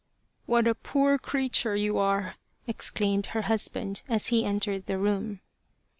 " What a poor creature you are !" exclaimed her husband, as he entered the room.